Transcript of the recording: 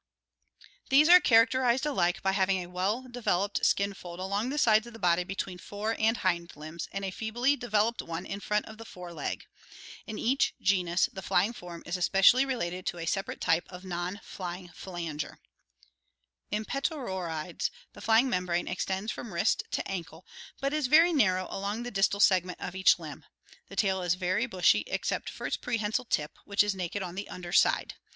These are characterized alike by having a well developed skin fold along the sides of the body between fore and hind limbs, and a feebly developed one in front of the fore leg. In each genus the VOLANT ADAPTATION 363 flying form is especially related to a separate type of non flying phalanger. In Petauroides the flying membrane extends from wrist to ankle, but is very narrow along the distal segment of each limb. The tail is very bushy except for its prehensile tip, which is naked on the under side.